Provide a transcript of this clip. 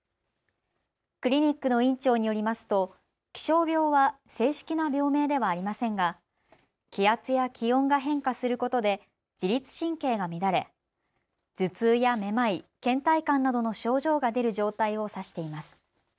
クリニックの院長によりますと気象病は正式な病名ではありませんが気圧や気温が変化することで自律神経が乱れ頭痛やめまい、けん怠感などの症状が出る状態を指しています。